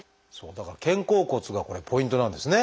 だから肩甲骨がこれポイントなんですね。